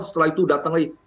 setelah itu datang lagi